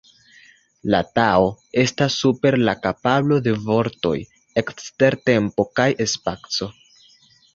La Tao estas super la kapablo de vortoj, ekster tempo kaj spaco.